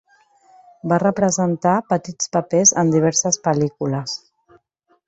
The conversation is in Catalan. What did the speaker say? Va representar petits papers en diverses pel·lícules.